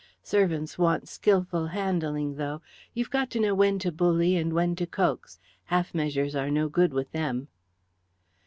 Servants want skilful handling, though. You've got to know when to bully and when to coax. Half measures are no good with them."